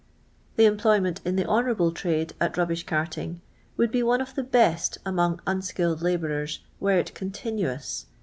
The employment in the honourable trade at rubbish carting would be one of the best among unskilled labourers, were it continuous.